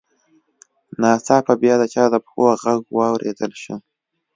ناڅاپه بیا د چا د پښو غږ واورېدل شو